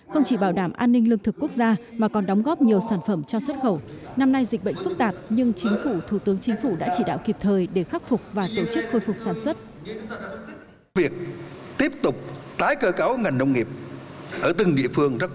không chỉ bảo đảm an ninh lương thực quốc gia mà còn đóng góp nhiều sản phẩm cho xuất khẩu năm nay dịch bệnh phức tạp nhưng chính phủ thủ tướng chính phủ đã chỉ đạo kịp thời để khắc phục và tổ chức khôi phục sản xuất